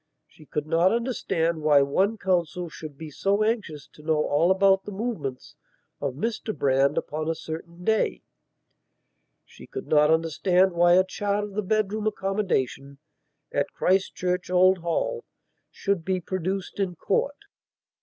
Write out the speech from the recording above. She could not understand why one counsel should be so anxious to know all about the movements of Mr Brand upon a certain day; she could not understand why a chart of the bedroom accommodation at Christchurch Old Hall should be produced in court.